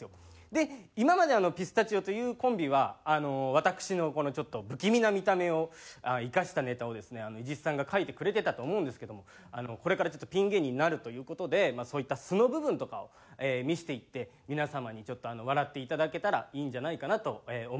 で今までピスタチオというコンビは私のこのちょっと不気味な見た目を生かしたネタをですね伊地知さんが書いてくれてたと思うんですけどもこれからちょっとピン芸人になるという事でそういった素の部分とかを見せていって皆様に笑っていただけたらいいんじゃないかなと思います。